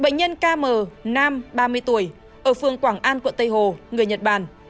bệnh nhân km ba mươi tuổi ở phường quảng an quận tây hồ người nhật bản